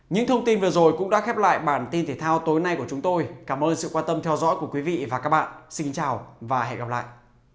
những thông tin vừa rồi cũng đã khép lại bản tin thể thao tối nay của chúng tôi cảm ơn sự quan tâm theo dõi của quý vị và các bạn xin chào và hẹn gặp lại